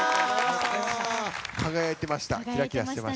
輝いてました。